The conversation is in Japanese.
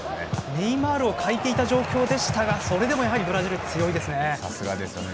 ネイマールを欠いていた状況でしたが、それでもさすがですよね。